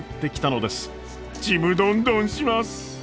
ちむどんどんします！